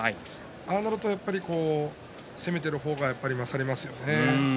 ああなると攻めている方が勝りますよね。